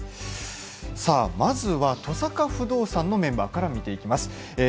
まずは登坂不動産のメンバーから見ていきます。